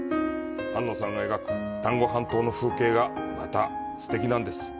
安野さんが描く丹後半島の風景がまたすてきなんです。